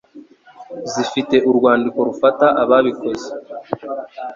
zifite urwandiko rufata ababikoze